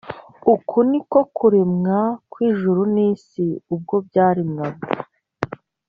Uku ni ko kuremwa kw’ijuru n’isi, ubwo byaremwaga